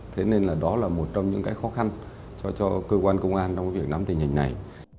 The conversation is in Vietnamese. thế nên là đó là một trong những khó khăn cho cơ quan công an trong việc nắm tình hình này